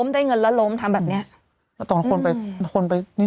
ได้เงินแล้วล้มได้เงินแล้วล้มทำแบบนี้